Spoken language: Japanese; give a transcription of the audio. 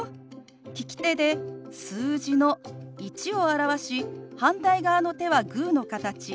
利き手で数字の「１」を表し反対側の手はグーの形。